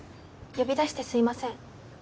呼び出してすいません